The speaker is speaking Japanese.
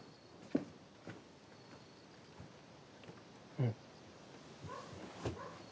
うん。